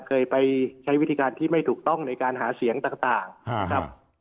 เคยไปใช้วิธีการที่ไม่ถูกต้องในการหาเสียงต่างนะครับ